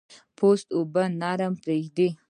پوست اوبه نه پرېږدي.